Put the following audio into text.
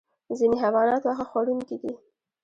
ځینې حیوانات واښه خوړونکي دي